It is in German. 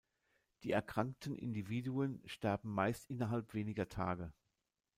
Die erkrankten Individuen sterben meist innerhalb weniger Tage.